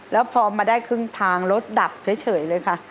แล้วพอมาได้ครึ่งทางรถดับเฉยเลยค่ะ